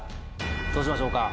どうしましょうか？